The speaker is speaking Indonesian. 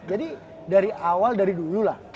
jadi dari awal dari dulu lah